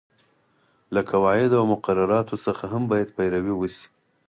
له قواعدو او مقرراتو څخه هم باید پیروي وشي.